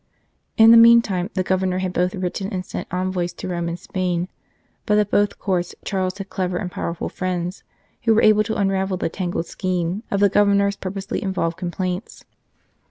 In the meantime the Governor had both written and sent envoys to Rome and Spain, but at both Courts Charles had clever and powerful friends, who were able to unravel the tangled skein of the Governor s purposely involved complaints.